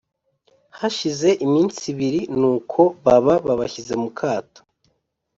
Hashize iminsi ibiri, nuko baba babashyize mu kato